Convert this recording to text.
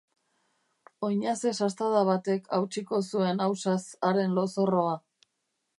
Oinaze-sastada batek hautsiko zuen ausaz haren lozorroa.